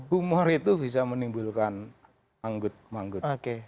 humor itu bisa menimbulkan manggut manggut